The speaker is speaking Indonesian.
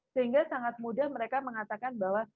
sehingga sangat mudah mereka mengatakan bahwa